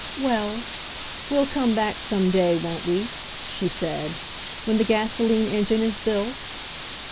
"Well, we'll come back some day, won't we," she said, "when the gasoline engine is built